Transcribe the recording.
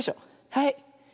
はい。